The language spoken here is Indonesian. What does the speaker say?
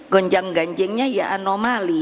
gonjang ganjengnya ya anomali